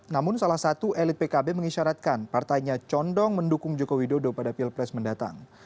namun salah satu elit pkb mengisyaratkan partainya condong mendukung jokowi dodo pada pilpres mendatang